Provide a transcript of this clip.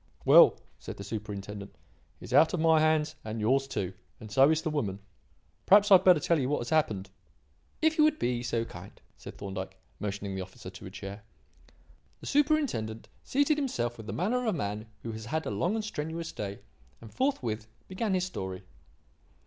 "Well," said the Superintendent, "he is out of my hands and yours too; and so is the woman. Perhaps I had better tell you what has happened." "If you would be so kind," said Thorndyke, motioning the officer to a chair. The superintendent seated himself with the manner of a man who has had a long and strenuous day, and forthwith began his story.